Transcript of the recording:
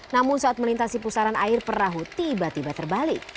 namun saat melintasi pusaran air perahu tiba tiba terbalik